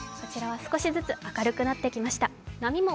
少しずつ明るくなってきました。